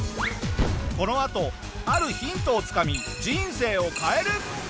このあとあるヒントをつかみ人生を変える！